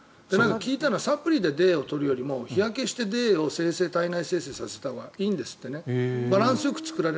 聞いたのはサプリでＤを取るよりも日焼けして体内生成させたほうがいいんですって。